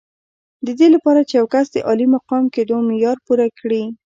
د دې لپاره چې یو کس د عالي مقام کېدو معیار پوره کړي.